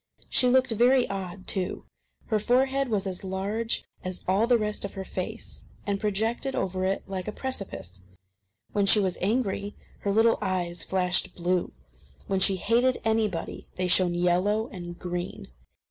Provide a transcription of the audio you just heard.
She looked very odd, too. Her forehead was as large as all the rest of her face, and projected over it like a precipice. When she was angry, her little eyes flashed blue. When she hated anybody, they shone yellow and green.